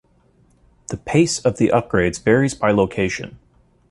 The pace of the upgrades varies by location.